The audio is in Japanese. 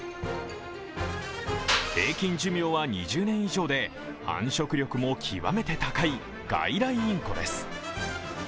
平均寿命は２０年以上で繁殖力も極めて高い外来インコです。